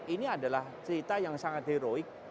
ini adalah cerita yang sangat heroik